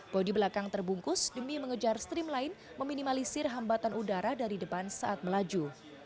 bodi belakang terbungkus demi mengejar streamline meminimalisir hambatan udara dari depan saat melaju